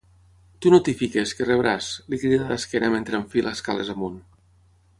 Tu no t'hi fiquis, que rebràs –li crida d'esquena mentre enfila escales amunt.